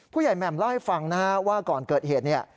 ผู้ใหญ่แหม่มเล่าให้ฟังนะครับว่าก่อนเกิดเหตุนี้